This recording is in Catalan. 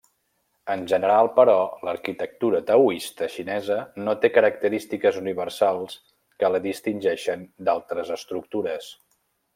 En general, però, l'arquitectura taoista xinesa no té característiques universals que la distingeixen d'altres estructures.